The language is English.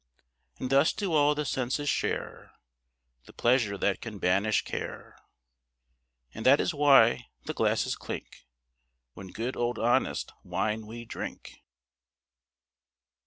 And thus do all the senses share The pleasure that can banish care. And that is why the glasses clink When good old honest wine we drink.